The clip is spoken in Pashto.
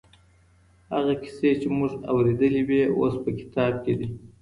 هغه کيسې چي موږ اورېدلې وې اوس په کتاب کي دي.